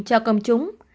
cho công chúng